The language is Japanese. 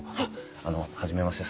あの初めまして。